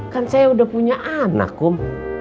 kan saya udah punya anak om